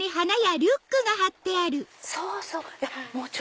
そうそう！